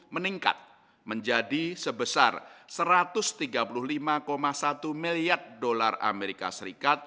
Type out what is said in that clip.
meningkat menjadi sebesar satu ratus tiga puluh lima satu miliar dolar amerika serikat